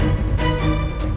aku akan menang